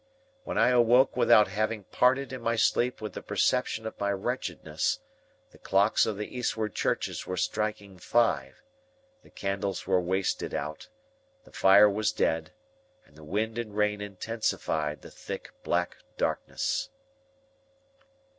When I awoke without having parted in my sleep with the perception of my wretchedness, the clocks of the Eastward churches were striking five, the candles were wasted out, the fire was dead, and the wind and rain intensified the thick black darkness.